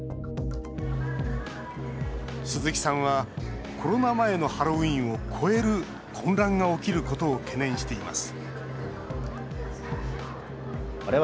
鈴木さんはコロナ前のハロウィーンを超える混乱が起きることを懸念しています